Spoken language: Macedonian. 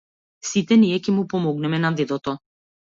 Сите ние ќе му помогнеме на дедото.